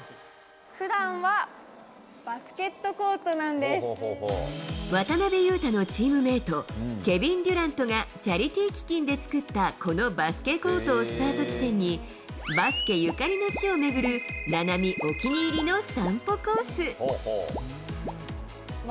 ふだんはバスケットコートな渡邊雄太のチームメート、ケビン・デュラントがチャリティー基金で作ったこのバスケコートをスタート地点に、バスケゆかりの地を巡る、菜波お気に入りの散歩コース。